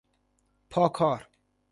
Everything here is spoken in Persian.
پا کار